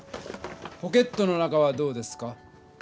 ポケットの中はどうですか？